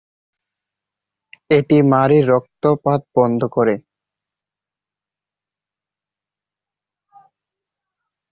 এটি মাড়ির রক্তপাত বন্ধ করে।